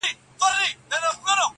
هم زړه سواندی هم د ښه عقل څښتن وو-